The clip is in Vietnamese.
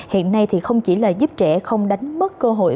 hiện nay thì không chỉ là giúp trẻ không đánh mất cơ hội